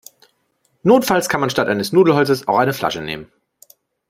Notfalls kann man statt eines Nudelholzes auch eine Flasche nehmen.